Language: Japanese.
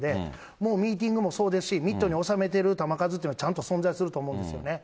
もうミーティングもそうですし、ミットに収めてる球数っていうのは、ちゃんと存在すると思うんですよね。